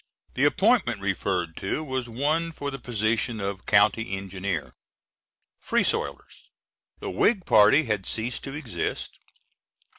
The appointment referred to was one for the position of County Engineer. Free Soilers: "The Whig party had ceased to exist